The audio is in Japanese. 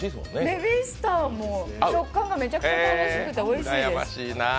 ベビースターも食感が楽しくておいしいです。